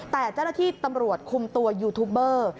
แต่เจ้าหน้าที่ตำรวจคุมตัวยูทูบเบอร์